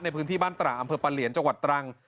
ในพื้นที่บ้านตระอำเภอปะเหลียนจังหวัดตรัง